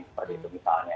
seperti itu misalnya